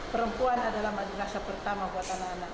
perempuan adalah madu rasa pertama buat anak anak